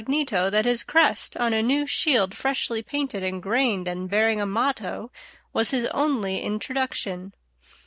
_ that his crest, on a new shield freshly painted and grained and bearing a motto, was his only introduction.